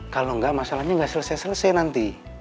kalau enggak masalahnya nggak selesai selesai nanti